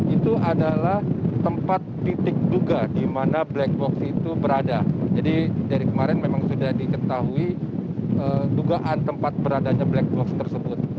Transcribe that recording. itu adalah tempat titik duga di mana black box itu berada jadi dari kemarin memang sudah diketahui dugaan tempat beradanya black box tersebut